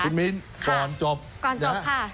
พี่มีนก่อนจบนะฮะพี่มีนค่ะก่อนจบค่ะ